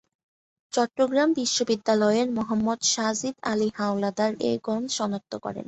চট্টগ্রাম বিশ্ববিদ্যালয়ের মোহাম্মদ সাজিদ আলী হাওলাদার এই গণ শনাক্ত করেন।